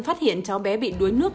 phát hiện cháu bé bị đuối nước